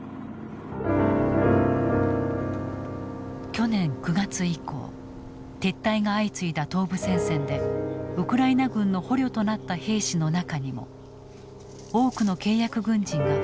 去年９月以降撤退が相次いだ東部戦線でウクライナ軍の捕虜となった兵士の中にも多くの契約軍人が含まれていた。